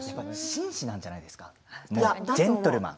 紳士なんじゃないですかジェントルマン。